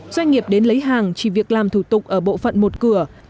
doanh nghiệp đến lấy hàng chỉ việc làm thủ tục ở bộ phận một cửa